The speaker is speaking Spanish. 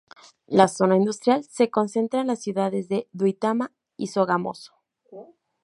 La zona industrial se concentra en las ciudades de Duitama y Sogamoso.